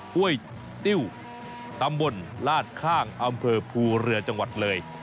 ห้วยติ้วตำบลลาดข้างอำเภอภูเรือจังหวัดเลย